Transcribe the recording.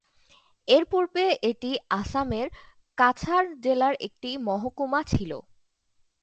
এর পূর্বে এটি আসামের কাছাড় জেলার একটি মহকুমা ছিল।